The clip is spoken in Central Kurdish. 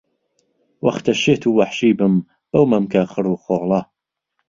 وەختە شێت و وەحشی بم بەو مەمکە خڕ و خۆڵە